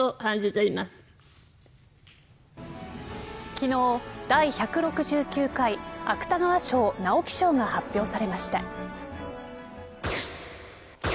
昨日、第１６９回芥川賞・直木賞が発表されました。